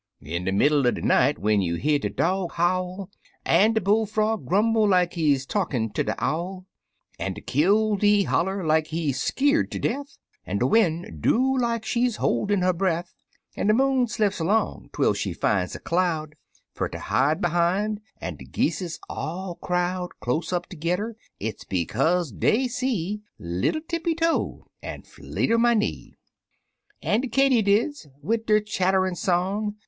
In de middle er de night, when you hear de dog howl, An' de bullfrog grumble like he talkin' terde owl. An' de killdee holler like he skeer'd ter death, An' de win' do like she's a hol'in' her breath, And de moon slips along twel she fin's a cloud Fer ter hide behime, an' de geeses all crowd Close up tergedder, it's bekaze dey see Little Tippity Toe an' Flee ter my Knee. An' de katydids, wid der chatterin' song.